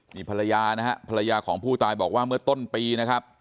นี่ภรรยานะฮะภรรยาของผู้ตายบอกว่าเมื่อต้นปีนะครับ